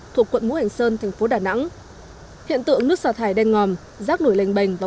thuộc quận ngũ hành sơn thành phố đà nẵng